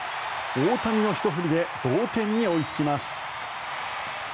大谷のひと振りで同点に追いつきます。